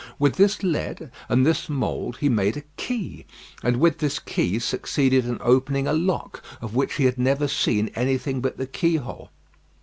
With this lead and this mould he made a key, and with this key succeeded in opening a lock of which he had never seen anything but the keyhole.